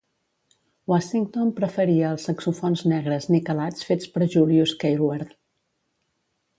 Washington preferia els saxofons negres niquelats fets per Julius Keilwerth.